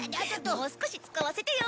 もう少し使わせてよ。